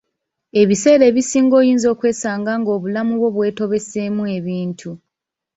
Ebiseera ebisinga oyinza okwesanga ng'obulamu bwo bwetobeseemu ebintu.